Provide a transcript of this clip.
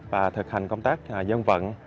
và thực hành công tác dân vận